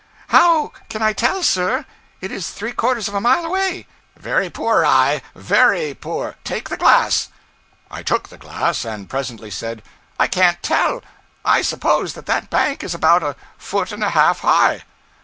'How can I tell, sir. It is three quarters of a mile away.' 'Very poor eye very poor. Take the glass.' I took the glass, and presently said 'I can't tell. I suppose that that bank is about a foot and a half high.'